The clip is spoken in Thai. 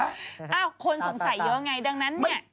คนสงสัยเยอะไงดังนั้นเนี่ย